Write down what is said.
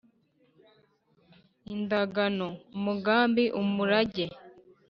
indagano: umugambi; umurage